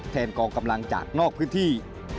กองกำลังจากนอกพื้นที่